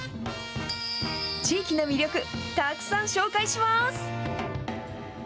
地域の魅力、たくさん紹介します。